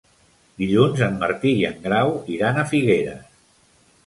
Dilluns en Martí i en Grau iran a Figueres.